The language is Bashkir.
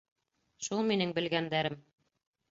Шул минең белгәндәрем...